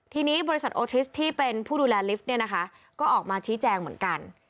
ทีนี้บริษัทโอทิสต์ที่เป็นผู้ดูแลลิฟท์ก็ออกมาชี้แจงเหมือนกัน